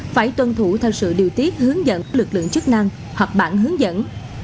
phải tuân thủ theo sự điều tiết hướng dẫn của lực lượng chức năng hoặc bản hướng dẫn